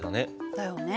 だよね。